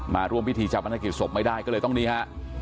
มาร่วมพิธีชาปนกิจศพไม่ได้ก็เลยต้องนี่ฮะ